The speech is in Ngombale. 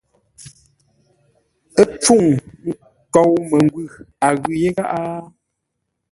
Ə́ mpfúŋ nkou məngwʉ̂, a ghʉ yé gháʼá ?